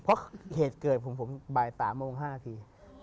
เพราะเหตุเกิดของผมบ่าย๓โมง๕ที